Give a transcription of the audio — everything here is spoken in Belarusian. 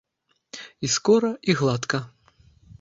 І скора і гладка.